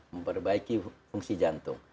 memperbaiki fungsi jantung